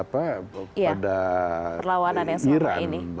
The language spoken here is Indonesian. perlawanan yang selama ini